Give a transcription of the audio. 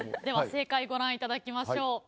では正解ご覧いただきましょう。